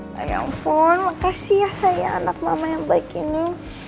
sayang pun makasih ya sayang anak mama yang baik ini